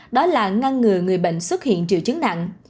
đó là ngăn ngừa người bệnh xuất hiện triệu chứng nặng